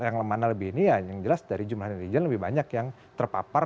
yang mana lebih ini ya yang jelas dari jumlah yang di jelas lebih banyak yang terpapar